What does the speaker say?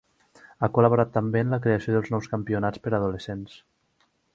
Ha col·laborat també en la creació dels nous campionats per a adolescents.